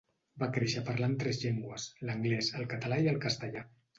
Va créixer parlant tres llengües: l’anglès, el català i el castellà.